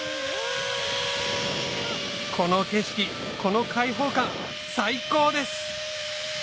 この景色この開放感最高です！